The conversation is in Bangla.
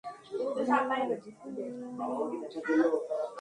রাধে নাম আমার।